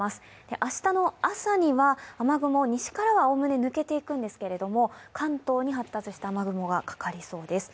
明日の朝には雨雲、西からおおむね抜けていくんですけれども、関東に発達した雨雲がかかりそうです。